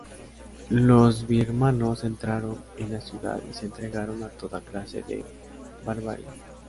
Los birmanos entraron en la ciudad y se entregaron a toda clase de barbarie.